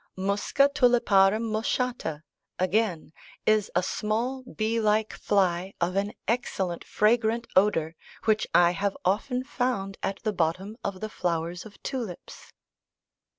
"Musca tuliparum moschata," again, "is a small bee like fly of an excellent fragrant odour, which I have often found at the bottom of the flowers of tulips."